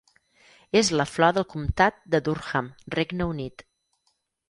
És la flor del comtat de Durham, Regne Unit.